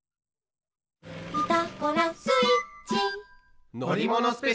「ピタゴラスイッチ」